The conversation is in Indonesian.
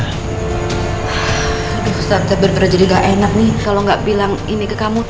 aduh tante benar benar jadi gak enak nih kalau gak bilang ini ke kamu